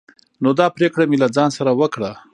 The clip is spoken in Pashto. نو دا پريکړه مې له ځان سره وکړه